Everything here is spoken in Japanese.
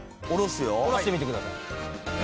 下ろしてみてください。